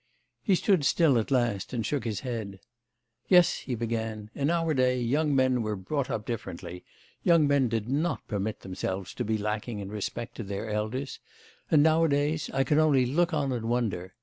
He stood still at last and shook his head. 'Yes;' he began, 'in our day young men were brought up differently. Young men did not permit themselves to be lacking in respect to their elders. And nowadays, I can only look on and wonder.